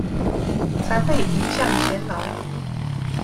才會迎向前來